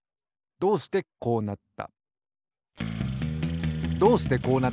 どうしてこうなった？